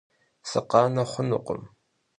Sıkhane xhunukhım.